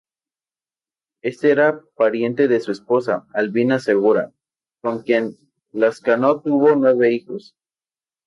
Éste era pariente de su esposa, Albina Segura, con quien Lascano tuvo nueve hijos.